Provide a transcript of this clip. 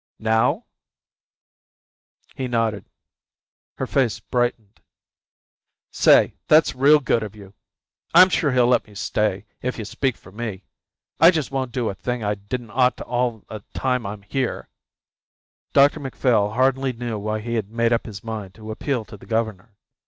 "Now?" He nodded. Her face brightened. "Say, that's real good of you. I'm sure he'll let me stay if you speak for me. I just won't do a thing I didn't ought all the time I'm here." Dr Macphail hardly knew why he had made up his mind to appeal to the governor.